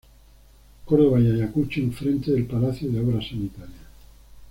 Córdoba y Ayacucho, en frente del Palacio de Obras Sanitarias.